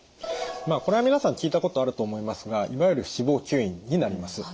まあこれは皆さん聞いたことあると思いますがいわゆる脂肪吸引になります。